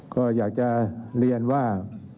ก็อยากจะเรียนว่า